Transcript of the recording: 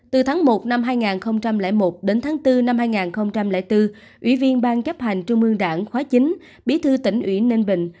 từ tháng một năm hai nghìn một đến tháng bốn năm hai nghìn bốn ủy viên ban chấp hành trung ương đảng khóa chín bí thư tỉnh ủy ninh bình